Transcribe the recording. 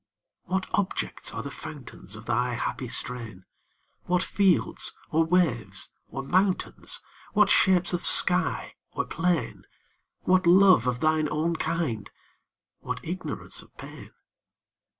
What objects are the fountains Of thy happy strain? What fields, or waves, or mountains? What shapes of sky or plain? What love of thine own kind? what ignorance of pain?